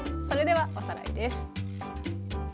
それではおさらいです。